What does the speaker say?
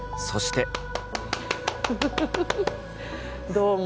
どうも。